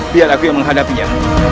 biar aku yang menghadapinya